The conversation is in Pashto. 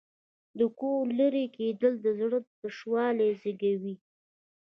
د کوره لرې کېدل د زړه تشوالی زېږوي.